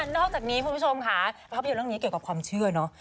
นอกจากนี้คุณผู้ชมค่ะภาพยนตร์เรื่องนี้เกี่ยวกับความเชื่อเนอะ